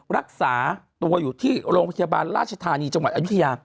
รักษาตัวอยู่ที่โรงพยาบาลราชธานีจังหวัดอายุทยา